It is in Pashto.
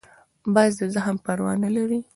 باز د زخم پروا نه لري